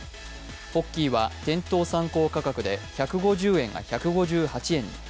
ポッキーは店頭参考価格で１５０円が１５８円に。